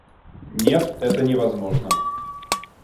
Нет, это невозможно.